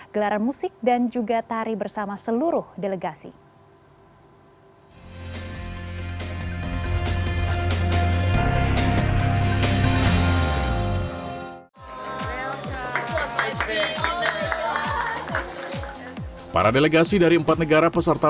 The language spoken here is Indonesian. gelaran musik dan juga tari bersama seluruh delegasi